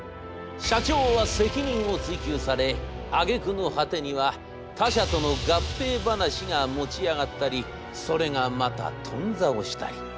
社長は責任を追及されあげくの果てには他者との合併話が持ち上がったりそれがまた頓挫をしたり。